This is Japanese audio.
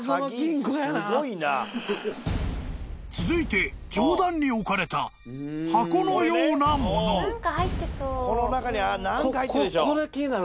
［続いて上段に置かれた箱のようなもの］